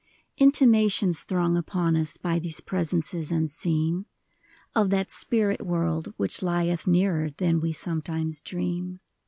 Intimations throng upon us, By these presences unseen. Of that spirit world which lieth Nearer than we sometimes dream.